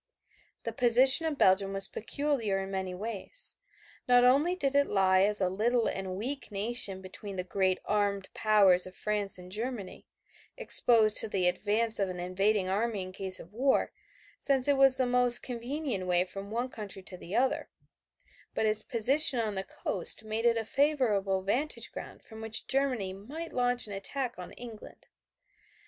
The position of Belgium was peculiar in many ways. Not only did it lie as a little and weak nation between the great armed powers of France and Germany, exposed to the advance of an invading army in case of war, since it was the most convenient way from one country to the other, but its position on the coast made it a favorable vantage ground from which Germany might launch an attack on England.